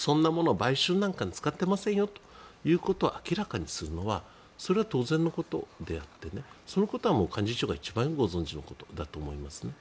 買収なんかに使っていませんよということを明らかにするのはそれは当然のことであってそのことは幹事長が一番よくご存じのことだと思います。